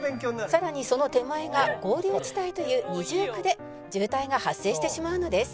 「さらにその手前が合流地帯という二重苦で渋滞が発生してしまうのです」